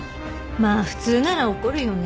まあ普通なら怒るよね。